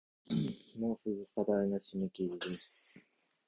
もうすぐ課題の締切です